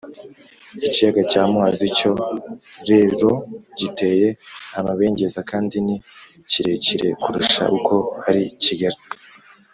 ikiyaga cya muhazi cyo rero giteye amabengeza kandi ni kirekire kurusha uko ari kigari